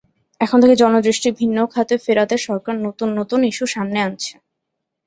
এখান থেকে জনদৃষ্টি ভিন্ন খাতে ফেরাতে সরকার নতুন নতুন ইস্যু সামনে আনছে।